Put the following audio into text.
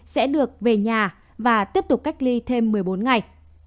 sẽ được về nhà và tiếp tục cách ly thêm một mươi bốn ngày